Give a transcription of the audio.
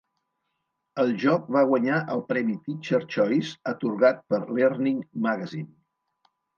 El joc va guanyar el Premi Teacher's Choice atorgat per Learning Magazine.